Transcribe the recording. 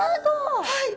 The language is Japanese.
はい。